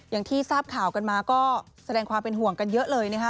อย่างที่ทราบข่าวกันมาก็แสดงความเป็นห่วงกันเยอะเลยนะคะ